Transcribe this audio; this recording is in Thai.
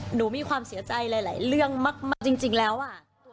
หนูมีความเสียใจหลายเรื่องมากจริงแล้วอ่ะ